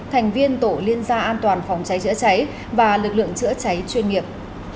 thành viên tổ liên gia an toàn phòng cháy chữa cháy và lực lượng chữa cháy chuyên nghiệp